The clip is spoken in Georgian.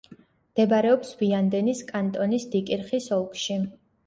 მდებარეობს ვიანდენის კანტონის დიკირხის ოლქში.